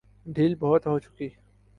ڈھیل بہت ہو چکی۔